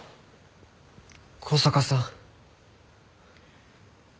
向坂さん。